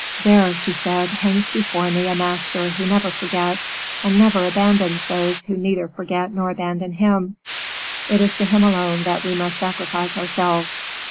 "There," she said, "hangs before me a Master who never forgets and never abandons those who neither forget nor abandon Him; it is to Him alone that we must sacrifice ourselves."